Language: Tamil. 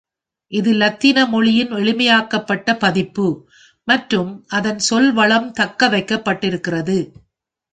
இது லத்தீன மொழியின் எளிமையாக்கப்பட்ட பதிப்பு, மற்றும் அதன் சொல்வளம் தக்க வைக்கப்பட்டிருக்கிறது.